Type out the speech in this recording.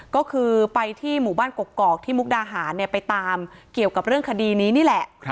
ก็คือไปที่หมู่บ้านกกอกที่มุกดาหารไปตามเกี่ยวกับเรื่องคดีนี้นี่แหละ